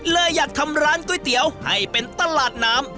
เลยอยากทำร้านก๋วยเตี๋ยวให้เป็นตลาดน้ำ